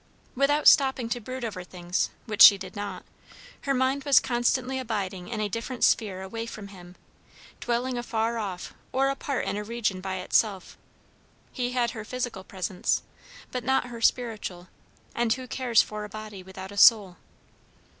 Without stopping to brood over things, which she did not, her mind was constantly abiding in a different sphere away from him, dwelling afar off, or apart in a region by itself; he had her physical presence, but not her spiritual; and who cares for a body without a soul?